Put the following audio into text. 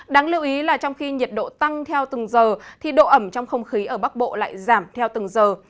đáng lưu ý là trong khi nhiệt độ tăng theo từng giờ thì độ ẩm trong không khí ở bắc bộ lại giảm theo từng giờ